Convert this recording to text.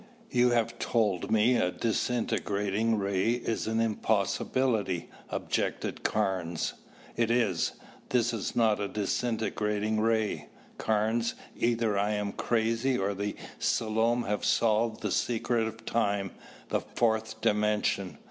"You have told me a disintegrating ray is an impossibility," objected Carnes. "It is. This was not a disintegrating ray. Carnes, either I am crazy or the Selom have solved the secret of time, the fourth dimension.